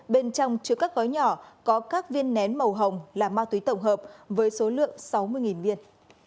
bên trong chứa các gói nhỏ có các viên nén màu hồng là ma túy tổng hợp với số lượng sáu mươi viên